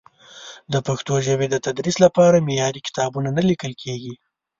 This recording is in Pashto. د پښتو ژبې د تدریس لپاره معیاري کتابونه نه لیکل کېږي.